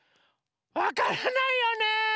わからないよね。